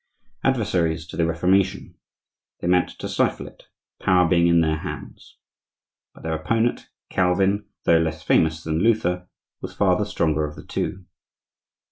Adversaries to the Reformation, they meant to stifle it, power being in their hands. But their opponent, Calvin, though less famous than Luther, was far the stronger of the two.